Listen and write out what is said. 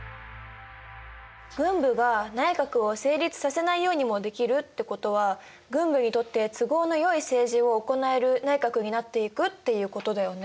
軍部が内閣を成立させないようにもできるってことは軍部にとって都合のよい政治を行える内閣になっていくっていうことだよね。